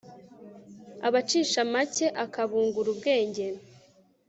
abacisha make akabungura ubwenge